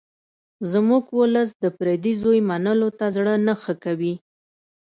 زموږ ولس د پردي زوی منلو ته زړه نه ښه کوي